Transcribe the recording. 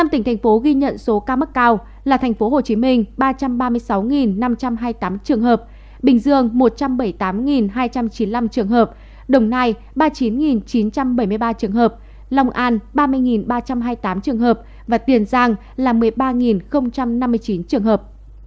năm tỉnh thành phố ghi nhận số ca mức cao là thành phố hồ chí minh ba trăm ba mươi sáu năm trăm hai mươi tám trường hợp bình dương một trăm bảy mươi tám hai trăm chín mươi năm trường hợp đồng nai ba mươi chín chín trăm bảy mươi ba trường hợp lòng an ba mươi ba trăm hai mươi tám trường hợp và tiền giang là một mươi ba trường hợp